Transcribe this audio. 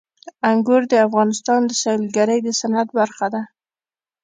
انګور د افغانستان د سیلګرۍ د صنعت برخه ده.